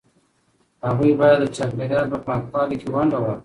هغوی باید د چاپیریال په پاکوالي کې ونډه واخلي.